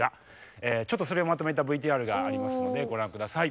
ちょっとそれをまとめたＶＴＲがありますのでご覧ください。